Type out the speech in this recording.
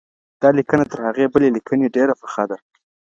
دا لیکنه تر هغې بلي لیکنې ډېره پخه ده.